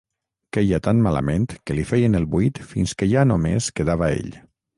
Queia tan malament que li feien el buit fins que ja només quedava ell.